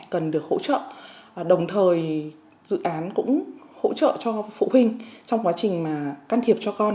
cần được hỗ trợ đồng thời dự án cũng hỗ trợ cho phụ huynh trong quá trình mà can thiệp cho con